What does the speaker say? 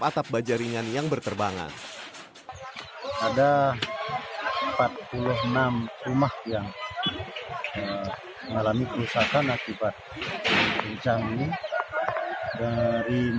atap baja ringan yang berterbangan ada empat puluh enam rumah yang mengalami kerusakan akibat hujan ini dari